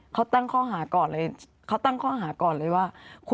เค้าตั้งข้อหาก่อนเลยว่า